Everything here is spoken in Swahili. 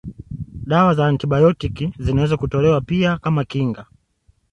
Dawa za antibiotiki zinaweza kutolewa pia kama kinga